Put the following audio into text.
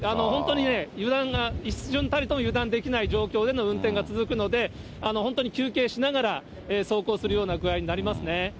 本当に、油断が、一瞬たりとも油断できない状況での運転が続くので、本当に休憩しながら走行するような具合になりますね。